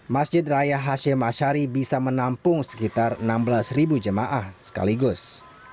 masjid raya hashim ashari bisa menampung sekitar enam belas jemaah sekaligus